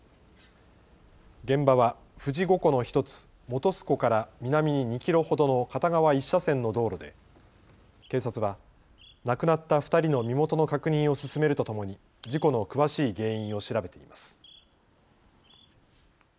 現場は富士五湖の１つ本栖湖から南に２キロほどの片側１車線の道路で警察は亡くなった２人の身元の確認を進めるとともに事故の詳しい原因を調べています。